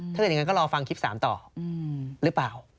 อย่างนั้นก็รอฟังคลิป๓ต่อหรือเปล่า